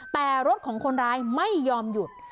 แต่รถของคนร้ายไม่ยอมหยุด